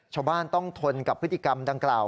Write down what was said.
ชาวบ้านต้องทนกับพฤติกรรมดังกล่าว